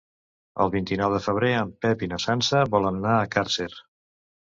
El vint-i-nou de febrer en Pep i na Sança volen anar a Càrcer.